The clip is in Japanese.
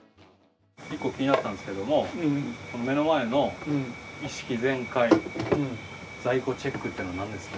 １個気になったんですけども目の前の「意識全開在庫チェック」っていうのは何ですか？